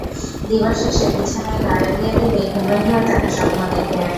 দিবাশেষে বিছানায় গা এলিয়ে দিলেই ঘুমের ঘোরে তাঁকে স্বপ্নে দেখেন।